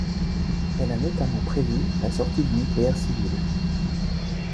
Elle a notamment prévu la sortie du nucléaire civil.